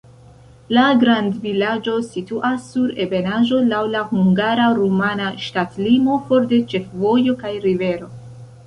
La grandvilaĝo situas sur ebenaĵo, laŭ la hungara-rumana ŝtatlimo, for de ĉefvojo kaj rivero.